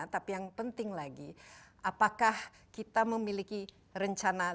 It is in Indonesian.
tapi yang penting lagi apakah kita memiliki rencana